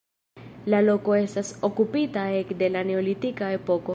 La loko estas okupita ekde la neolitika epoko.